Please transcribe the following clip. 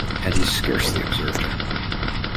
And he scarcely observed her.